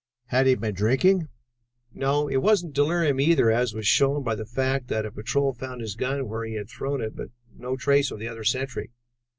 "Had he been drinking?" "No. It wasn't delirium either, as was shown by the fact that a patrol found his gun where he had thrown it, but no trace of the other sentry.